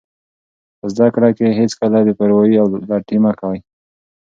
په زده کړه کې هېڅکله بې پروایي او لټي مه کوئ.